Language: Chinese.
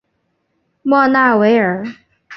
莫纳维尔。